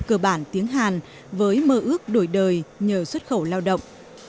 cơ bản tiếng hàn với mơ ước đổi đời nhờ xuất khẩu lao động